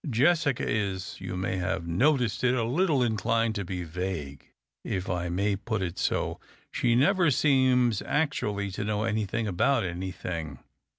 Jessica is, you may have noticed it, a little inclined to be vague. If I may put it so, she never seems actually to know anything about anything.